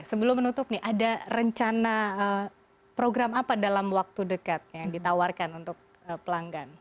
sebelum menutup nih ada rencana program apa dalam waktu dekat yang ditawarkan untuk pelanggan